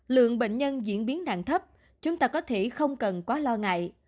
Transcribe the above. lượng bệnh nhân diễn biến nặng thấp chúng ta có thể không cần quá lo ngại